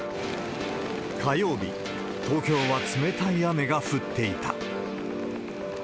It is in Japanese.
火曜日、東京は冷たい雨が降っていた。